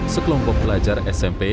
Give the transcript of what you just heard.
sekelompok pelajar smp